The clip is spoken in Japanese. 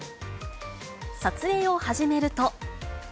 撮影を始めると。